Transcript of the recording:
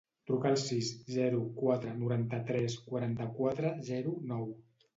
Truca al sis, zero, quatre, noranta-tres, quaranta-quatre, zero, nou.